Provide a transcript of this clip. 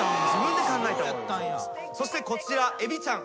そしてこちらエビちゃん。